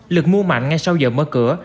lực mua mạnh ngay sau giờ mở cửa